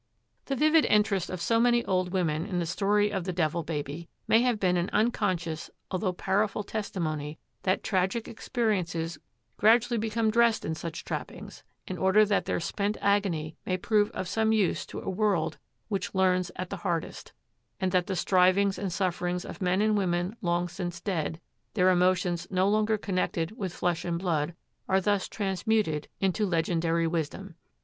The vivid interest of so many old women in the story of the Devil Baby may have been an unconscious, although powerful, testimony that tragic experiences gradually become dressed in such trappings in order that their spent agony may prove of some use to a world which learns at the hardest; and that the strivings and sufferings of men and women long since dead, their emotions no longer connected with flesh and blood, are thus transmuted into legendary wisdom.